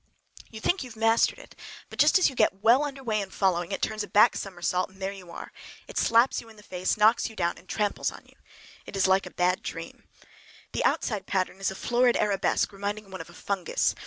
You think you have mastered it, but just as you get well under way in following, it turns a back somersault and there you are. It slaps you in the face, knocks you down, and tramples upon you. It is like a bad dream. The outside pattern is a florid arabesque, reminding one of a fungus.